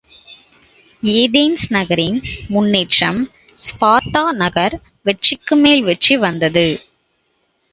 Athens நகரின் முன்னேற்றம் Sparta நகர், வெற்றிக்குமேல் வெற்றி பெற்று வந்தது.